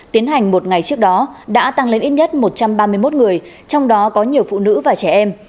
tiến hành một ngày trước đó đã tăng lên ít nhất một trăm ba mươi một người trong đó có nhiều phụ nữ và trẻ em